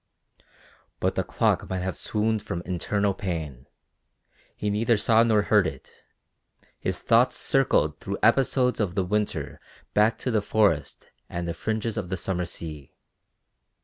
But the clock might have swooned from internal pain, he neither saw nor heard it; his thoughts circled through episodes of the winter back to the forest and the fringes of the summer sea.